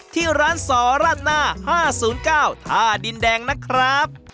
ที่ร้านสอราดหน้า๕๐๙ท่าดินแดงนะครับ